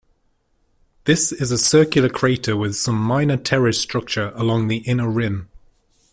This is a circular crater with some minor terrace structure along the inner rim.